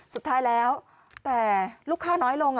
สุดท้ายแล้วแต่ลูกค้าน้อยลง